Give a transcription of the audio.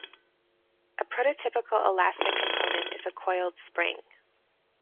A prototypical elastic component is a coiled spring.